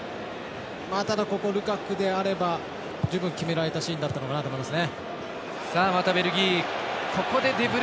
ただ、ルカクであれば十分決められたシーンだったのかなと思いますね。